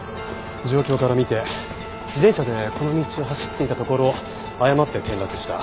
状況から見て自転車でこの道を走っていたところ誤って転落した。